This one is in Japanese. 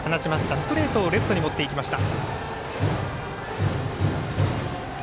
ストレートをレフトに持っていきました。